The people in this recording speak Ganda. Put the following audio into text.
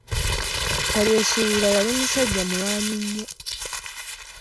Kalyesuubula yali musajja mulwanyi nnyo.